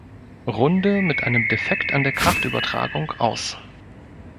Runde mit einem Defekt an der Kraftübertragung aus.